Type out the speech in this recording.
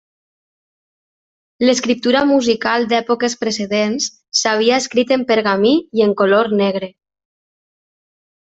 L'escriptura musical d'èpoques precedents, s'havia escrit en pergamí i en color negre.